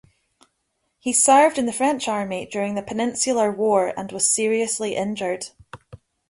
He served in the French army during the Peninsular war and was seriously injured.